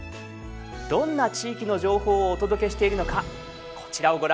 どんな地域の情報をお届けしているのかこちらをご覧下さい。